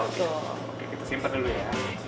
oke kita simpan dulu ya